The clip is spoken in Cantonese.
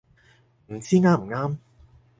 唔知啱唔啱